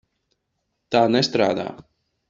Tā nestrādā.